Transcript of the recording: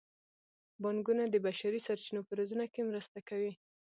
بانکونه د بشري سرچینو په روزنه کې مرسته کوي.